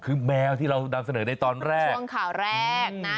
คือแมวที่เรานำเสนอในตอนแรกช่วงข่าวแรกนะ